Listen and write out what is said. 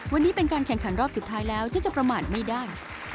วันนี้เป็นการแข่งขันรอบสุดท้ายแล้วฉันจะประมาทไม่ได้